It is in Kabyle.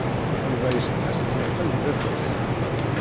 Yuba yessetḥa s tleqqi n baba-s.